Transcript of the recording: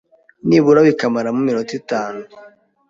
nibura bikamaramo iminota itanu